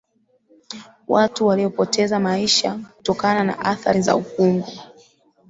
watu waliopoteza maisha kutokana na athari za ukungu